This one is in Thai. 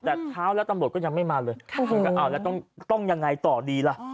แต่เช้าแล้วตำรวจก็ยังไม่มาเลยแล้วต้องยังไงต่อดีล่ะ